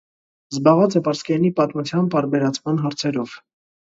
Զբաղած է պարսկերէնի պատմութեան պարբերացման հարցերով։